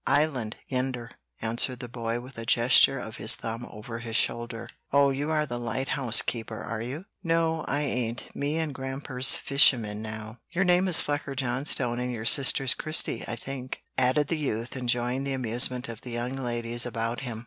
"Island, yender," answered the boy, with a gesture of his thumb over his shoulder. "Oh, you are the lighthouse keeper, are you?" "No, I ain't; me and Gramper's fishermen now." "Your name is Flucker Johnstone, and your sister's Christie, I think?" added the youth, enjoying the amusement of the young ladies about him.